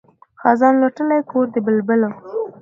خزان لوټلی کور د بلبلو